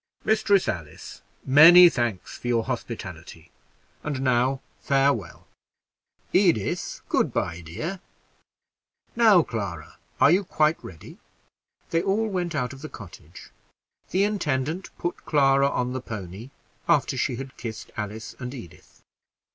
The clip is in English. "Mistress Alice, many thanks for your hospitality; and now, farewell. Edith, good by, dear. Now, Clara, are you quite ready?" They all went out of the cottage. The intendant put Clara on the pony, after she had kissed Alice and Edith.